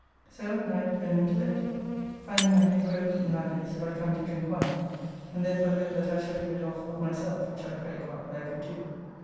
So at night home and to bed. Finding my head grow weak now a days if I come to drink wine, and therefore hope that I shall leave it off of myself, which I pray God I could do.